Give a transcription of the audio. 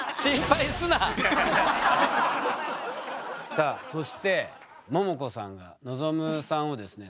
さあそしてももこさんが望さんをですね